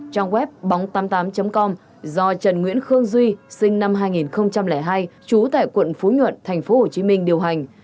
trang web bóng tám mươi tám com do trần nguyễn khương duy sinh năm hai nghìn hai trú tại quận phú nhuận tp hcm điều hành